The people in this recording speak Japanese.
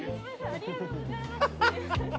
ありがとうございます